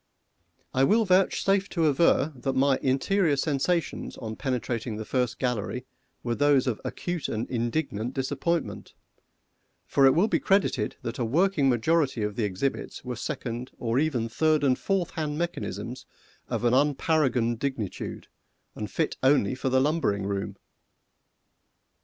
I will vouchsafe to aver that my interior sensations on penetrating the first gallery were those of acute and indignant disappointment, for will it be credited that a working majority of the exhibits were second, or even third and fourth hand mechanisms of an unparagoned dingitude, and fit only for the lumbering room?